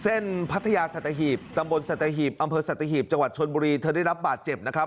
พัทยาสัตหีบตำบลสัตหีบอำเภอสัตหีบจังหวัดชนบุรีเธอได้รับบาดเจ็บนะครับ